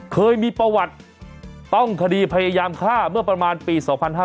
เคยมีประวัติต้องคดีพยายามฆ่าเมื่อประมาณปี๒๕๕๙